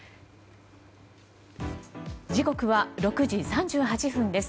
時刻は６時３８分です。